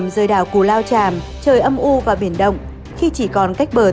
sau chuyến trở khách định